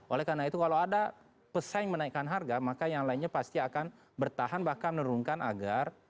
oleh karena itu kalau ada pesaing menaikkan harga maka yang lainnya pasti akan bertahan bahkan menurunkan agar